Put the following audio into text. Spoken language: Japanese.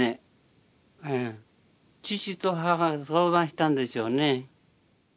父と母相談したんでしょうね。